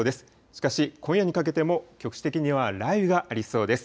しかし今夜にかけても局地的には雷雨がありそうです。